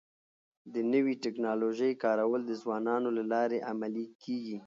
د نوي ټکنالوژۍ کارول د ځوانانو له لارې عملي کيږي.